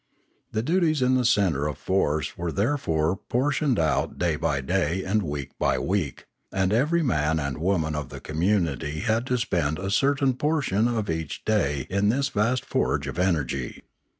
The duties in the centre of force were there fore portioned out day by day and week by week; and every man and woman of the community had to spend a certain portion of time each day in this vast forge of energy.